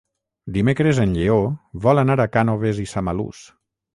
Dimecres en Lleó vol anar a Cànoves i Samalús.